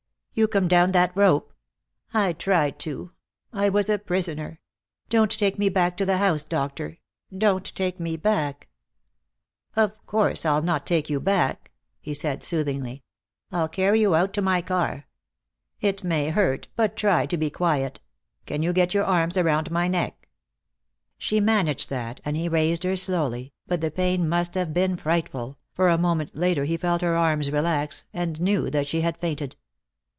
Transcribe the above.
"You come down that rope?" "I tried to. I was a prisoner. Don't take me back to the house, doctor. Don't take me back!" "Of course I'll not take you back," he said, soothingly. "I'll carry you out to my car. It may hurt, but try to be quiet. Can you get your arms around my neck?" She managed that, and he raised her slowly, but the pain must have been frightful, for a moment later he felt her arms relax and knew that she had fainted.